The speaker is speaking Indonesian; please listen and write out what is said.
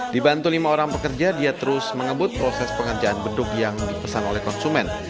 dibantu lima orang pekerja dia terus mengebut proses pengerjaan beduk yang dipesan oleh konsumen